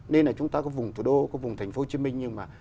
nên là chúng ta có vùng thủ đô có vùng thành phố hồ chí minh nhưng mà